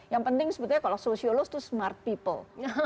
yang penting sebetulnya kalau sosiolog itu smart people